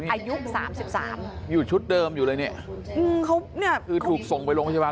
อายุ๓๓อยู่ชุดเดิมอยู่เลยเนี่ยคือถูกส่งไปโรงพยาบาล